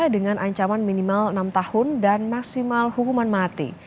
dengan ancaman minimal enam tahun dan maksimal hukuman mati